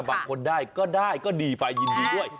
บางคนได้ก็ได้ก็ดีไปยินดีด้วย